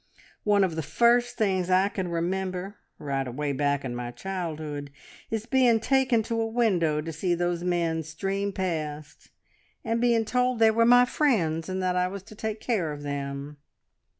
One of the first things I can remember, right away back in my childhood, is being taken to a window to see those men stream past, and being told they were my friends and that I was to take care of them.